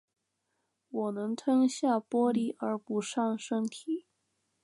我能吞下玻璃而不伤身体